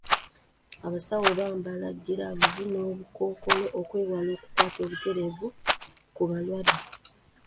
Abasawo bambala giraavuzi n'obukookola okwewala okukwata obutereevu ku balwadde.